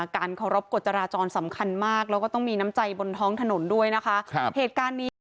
การเคารพกฎจราจรสำคัญมากแล้วก็ต้องมีน้ำใจบนท้องถนนด้วยนะฮะ